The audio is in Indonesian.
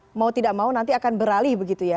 tapi mau tidak mau nanti akan beralih begitu ya